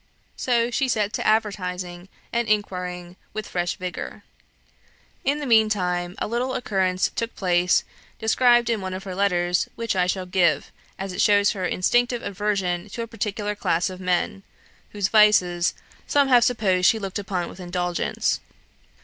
So she set to advertising and inquiring with fresh vigour. In the meantime, a little occurrence took place, described in one of her letters, which I shall give, as it shows her instinctive aversion to a particular class of men, whose vices some have supposed she looked upon with indulgence.